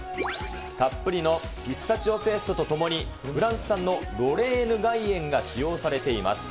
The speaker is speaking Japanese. たっぷりのピスタチオペーストとともにフランス産のロレーヌ岩塩が使用されています。